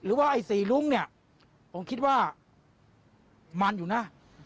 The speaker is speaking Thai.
ไอ้สี่ลุ้งเนี่ยผมคิดว่ามันอยู่นะ